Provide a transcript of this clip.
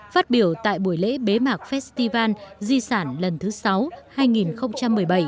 phát biểu tại buổi lễ bế mạc festival di sản lần thứ sáu hai nghìn một mươi bảy